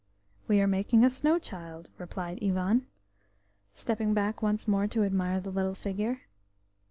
E are making a snow child," replied Ivan, stepping back once more to admire the little figure.